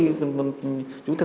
các gia đình khác có thể là